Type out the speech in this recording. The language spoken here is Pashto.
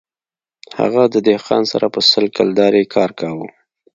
هغه د دهقان سره په سل کلدارې کار کاوه